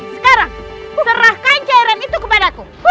sekarang serahkan cairan itu kepadaku